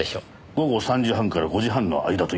午後３時半から５時半の間というところでしょうか。